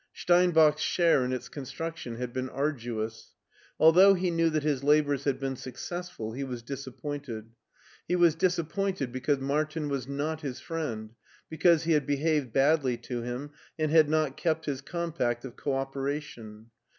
Steinbach's share in its construc tion had been arduous. Although he knew that his labors had been successful, he was disappointed; he was disappointed because Martin was not his friend, because he had behaved badly to him and had not kept his compact of cooperation.